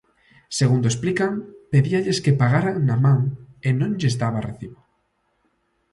Segundo explican, pedíalles que pagaran na man e non lles daba recibo.